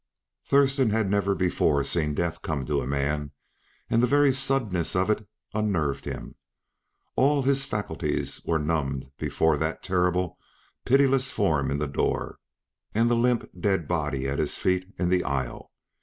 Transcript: Thurston had never before seen death come to a man, and the very suddenness of it unnerved him. All his faculties were numbed before that terrible, pitiless form in the door, and the limp, dead body at his feet in the aisle.